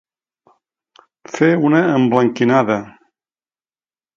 Fer una emblanquinada.